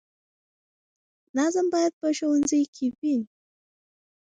نظم باید په ښوونځي کې وي.